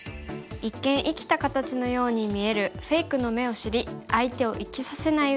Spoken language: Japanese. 一見生きた形のように見えるフェイクの目を知り相手を生きさせない打ち方を学びます。